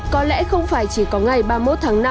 có lẽ không phải chỉ có ngày ba mươi một tháng năm